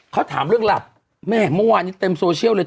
เขาถามเรื่องหลับแม่เมื่อวานนี้เต็มโซเชียลเลย